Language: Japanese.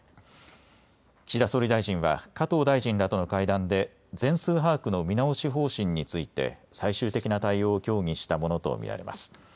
岸田総理大臣は加藤大臣らとの会談で全数把握の見直し方針について最終的な対応を協議したものと見られます。